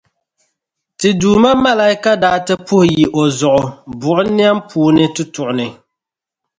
Ti duuma malaika daa ti puhi yi o zuɣu buɣim niɛm puuni tutuɣu ni.